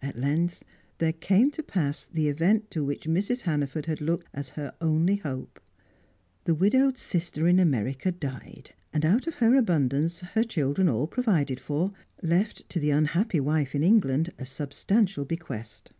At length there came to pass the event to which Mrs. Hannaford had looked as her only hope. The widowed sister in America died, and, out of her abundance, her children all provided for, left to the unhappy wife in England a substantial bequest.